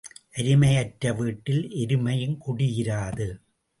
அருமை அற்ற வீட்டில் எருமையும் குடி இராது.